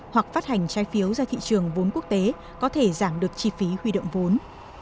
hoặc phát hành trái phiếu ra thị trường vốn quốc tế có thể giảm được chi phí huy động vốn